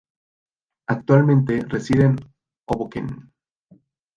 Actualmente reside en Hoboken.